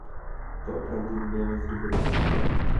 To opravdu nebylo moc dobré.